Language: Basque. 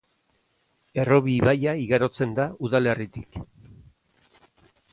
Errobi ibaia igarotzen da udalerritik.